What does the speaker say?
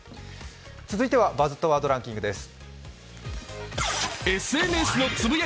続いては「バズったワードランキング」です。